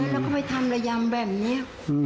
แล้วก็ไปทำระยำแบบนี้